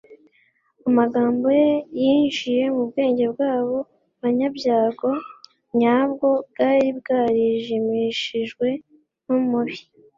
Amagambo ye yinjiye mu bwenge bw'abo banyabyago, nyabwo bwari bwarijimishijwe n'umubi.